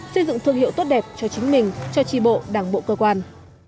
xây dựng thương hiệu tốt đẹp cho chính mình cho tri bộ đảng bộ cơ quan